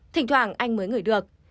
thỉnh thoảng anh mới ngửi được